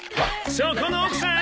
「そこの奥さん！」